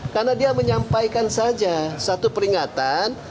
karena dia menyampaikan saja satu peringatan